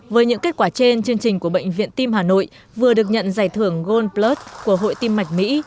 với những kết quả trên chương trình của bệnh viện tim hà nội vừa được nhận giải thưởng gold plus của hội tim mạch mỹ